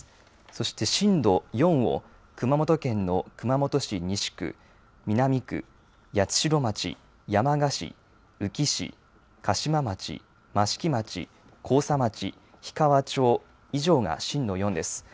そして震度４を熊本県の熊本市西区、南区、八代町、山鹿市、宇城市、嘉島町、益城町、甲佐町、氷川町、以上が震度４です。